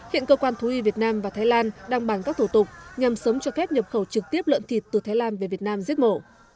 hiện cơ quan thú y việt nam và thái lan đang bàn các thủ tục nhằm sớm cho phép nhập khẩu trực tiếp lợn thịt từ thái lan về việt nam giết mổ